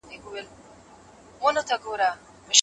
ميرويس خان نيکه ولي د صفوي واکمنۍ پر ضد ودرېد؟